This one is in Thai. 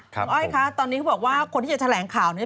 คุณอ้อยคะตอนนี้เขาบอกว่าคนที่จะแถลงข่าวนี้